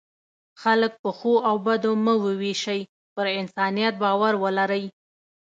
خلک په ښو او بدو مه وویشئ، پر انسانیت باور ولرئ.